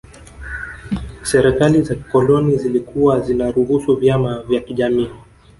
Serikali za kikoloni zilikuwa zinaruhusu vyama vya kijamii